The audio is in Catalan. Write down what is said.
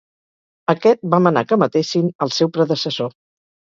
Aquest va manar que matessin el seu predecessor.